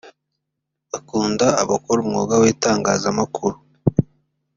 akunda abakora umwuga w’ itangazamakuru